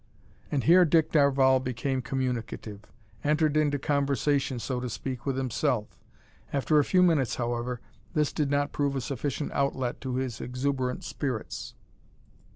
And here Dick Darvall became communicative; entered into conversation, so to speak, with himself. After a few minutes, however, this did not prove a sufficient outlet to his exuberant spirits.